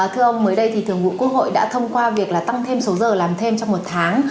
thưa ông mới đây thì thường vụ quốc hội đã thông qua việc tăng thêm số giờ làm thêm trong một tháng